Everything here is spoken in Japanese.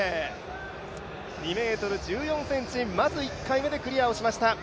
２ｍ１４ｃｍ、まず１回目でクリアしました。